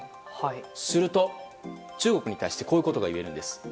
すると中国に対してこういうことが言えるんです。